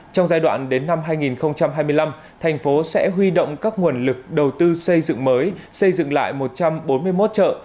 trong giai đoạn đến năm hai nghìn hai mươi năm thành phố sẽ huy động các nguồn lực đầu tư xây dựng mới xây dựng lại một trăm bốn mươi một chợ